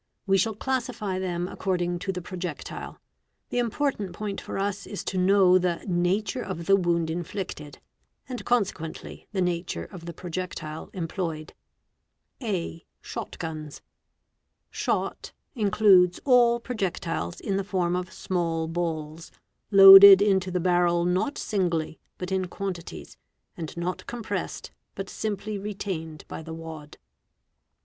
We shall "classify them according to the projectile; the important point for us is to know the nature of the wound inflicted, and consequently the nature of _ the projectile employed. a, | 7 : (a) SHOT GUNS. 7 Shot includes all projectiles in the form of small balls, loaded into the barrel not singly but in quantities, and not compressed but simply retained by the wad.